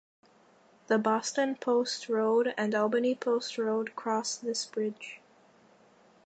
The Boston Post Road and Albany Post Road crossed this bridge.